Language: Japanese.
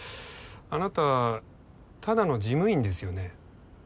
あなたただの事務員ですよね？